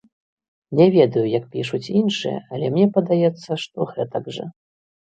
Не ведаю, як пішуць іншыя, але мне падаецца, што гэтак жа.